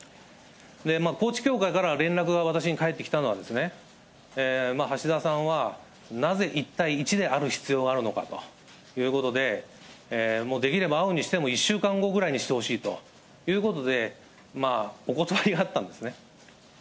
高知教会から連絡が私に返ってきたのは、橋田さんはなぜ１対１である必要があるのかということで、できれば会うにしても、１週間後ぐらいにしてほしいということで、お断りがあったんですね。